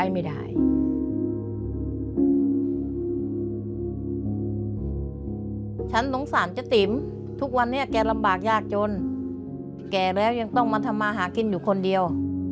มาหากินอยู่คนเดียว